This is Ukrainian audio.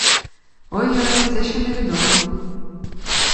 Ой-ой, це ще невідомо.